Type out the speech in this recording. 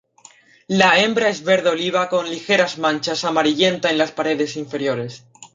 La hembra es verde oliva con ligeras manchas, amarillenta en las partes inferiores.